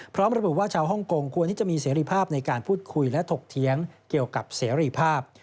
พร้อมระบุว่าชาวฮ่องกงควรที่จะมีเสรีภาพในการพูดคุยและถกเถียงเกี่ยวกับเสรีภาพ